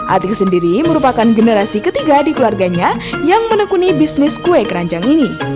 atik sendiri merupakan generasi ketiga di keluarganya yang menekuni bisnis kue keranjang ini